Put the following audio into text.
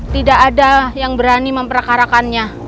tidak ada yang berani memperkarakannya